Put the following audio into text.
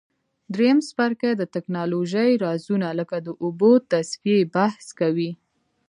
دریم څپرکی د تکنالوژۍ رازونه لکه د اوبو تصفیه بحث کوي.